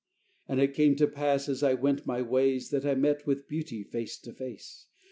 And it came to pass as I went my ways That I met with Beauty, face to face.